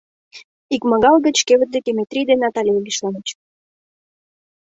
Икмагал гыч кевыт деке Метрий ден Натале лишемыч.